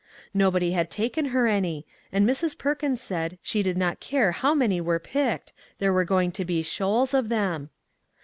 Nobody had taken her any, and Mrs. Perkins said she did not care how many were picked, there were going to be shoals of them.